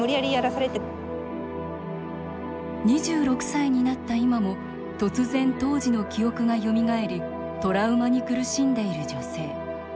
２６歳になった今も突然、当時の記憶がよみがえりトラウマに苦しんでいる女性。